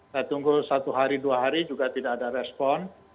saya tunggu satu hari dua hari juga tidak ada respon